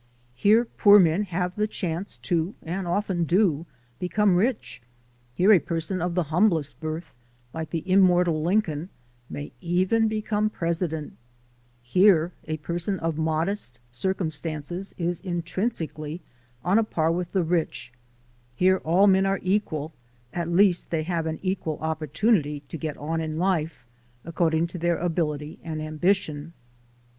Here poor men have the chance to, and often do, become rich; here a person of the humblest birth, like the immortal Lincoln, may even become president; here 286THE SOUL OF AN IMMIGRANT a person of modest circumstances is intrinsically on a par with the rich ; here all men are equal, at least they have an equal opportunity to get on in life, according to their ability and ambition.